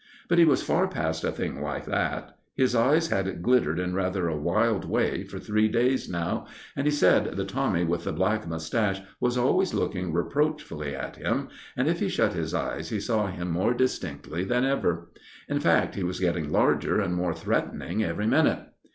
But he was far past a thing like that. His eyes had glittered in rather a wild way for three days now, and he said the Tommy with the black moustache was always looking reproachfully at him, and if he shut his eyes he saw him more distinctly than ever. In fact, he was getting larger and more threatening every minute.